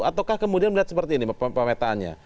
ataukah kemudian melihat seperti ini pemetaannya